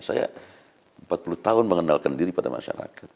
saya empat puluh tahun mengenalkan diri pada masyarakat